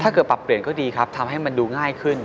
ปรับเปลี่ยนก็ดีครับทำให้มันดูง่ายขึ้น